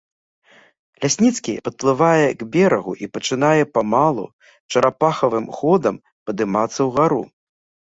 Лясніцкі падплывае к берагу і пачынае памалу, чарапахавым ходам падымацца ўгару.